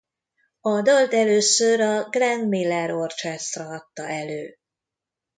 A dalt először a Glenn Miller Orchestra adta elő.